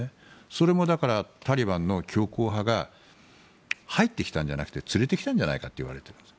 それもだからタリバンの強硬派が入ってきたんじゃなくて連れてきたんじゃないかといわれているんです。